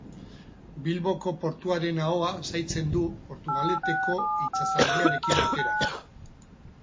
Bilboko portuaren ahoa zaintzen du Portugaleteko itsasargiarekin batera.